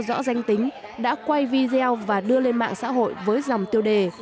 rõ danh tính đã quay video và đưa lên mạng xã hội với dòng tiêu đề